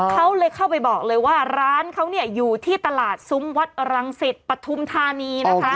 เขาเลยเข้าไปบอกเลยว่าร้านเขาเนี่ยอยู่ที่ตลาดซุ้มวัดรังสิตปฐุมธานีนะคะ